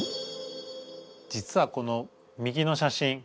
実はこの右の写真。